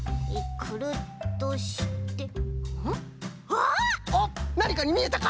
おっなにかにみえたか？